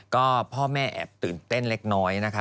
ก็พ่อแม่แอบตื่นเต้นเล็กน้อยนะคะ